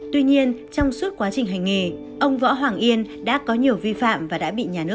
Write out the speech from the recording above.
tuy nhiên trong suốt quá trình hành nghề ông võ hoàng yên đã có nhiều vi phạm và đã bị nhà nước